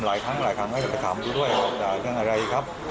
หลายครั้งหลายครั้งเขาจะถามดูด้วยด่าจังอะไรครับ